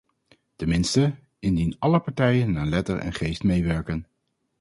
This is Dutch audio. Tenminste, indien alle partijen naar letter en geest meewerken.